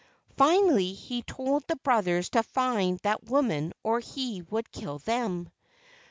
Finally he told the brothers to find that woman or he would kill them.